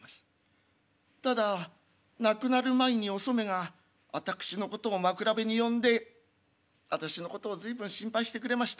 ただ亡くなる前におそめが私のことを枕辺に呼んで私のことを随分心配してくれました。